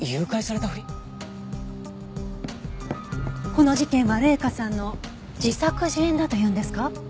この事件は麗華さんの自作自演だと言うんですか？